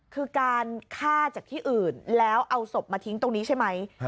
คือการฆ่าจากที่อื่นแล้วเอาศพมาทิ้งตรงนี้ใช่ไหม